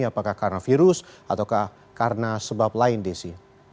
apakah karena virus atau karena sebab lain desi